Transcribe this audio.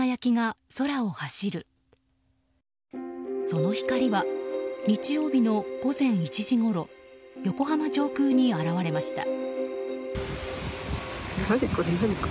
その光は日曜日の午前１時ごろ横浜上空に現れました。